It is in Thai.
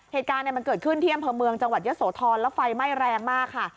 เหตุการณ์มันเกิดขึ้นที่อำเภอเมืองจังหวัดเยอะโสธรแล้วไฟไหม้แรงมากค่ะ